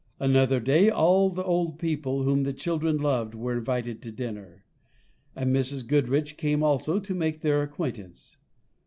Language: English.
Another day all the old people whom the children loved were invited to dinner; and Mrs. Goodriche came also to make their acquaintance.